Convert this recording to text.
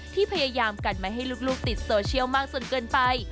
ที่พยายามกันไม่ให้ลูกติดโซเชียลมากจนเกินไป